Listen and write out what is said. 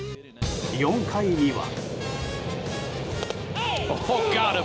４回には。